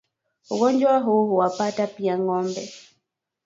Ugonjwa huu huwapata pia ngombe